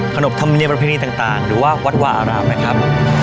ขนบธรรมเนียมประเพณีต่างหรือว่าวัดวาอารามนะครับ